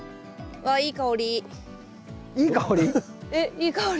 いい香り？